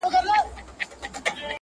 اخترونه مسلمانانو ته د خوښۍ